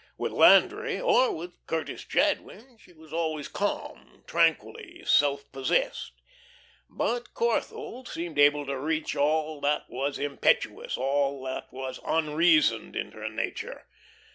With Landry or with Curtis Jadwin she was always calm, tranquilly self possessed. But Corthell seemed able to reach all that was impetuous, all that was unreasoned in her nature.